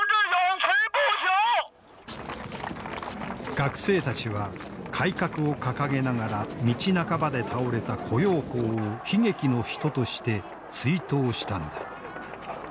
学生たちは改革を掲げながら道半ばで倒れた胡耀邦を悲劇の人として追悼したのだ。